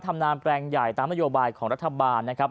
นามแปลงใหญ่ตามนโยบายของรัฐบาลนะครับ